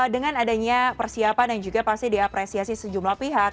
dengan adanya persiapan yang juga pasti diapresiasi sejumlah pihak